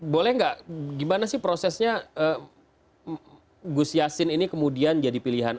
boleh nggak gimana sih prosesnya gus yassin ini kemudian jadi pilihan